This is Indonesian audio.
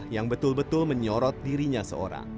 yang betul betul menyorot dirinya seorang